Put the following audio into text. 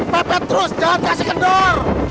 papa terus jangan kasih kendor